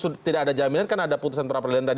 sudah tidak ada jaminan kan ada putusan peradilan tadi